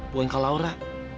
bukan kak laura